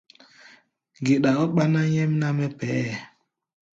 Geɗa ɔ́ ɓáná nyɛmná mɛ́ pɛʼɛ́ɛ.